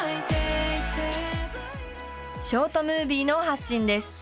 ショートムービーの発信です。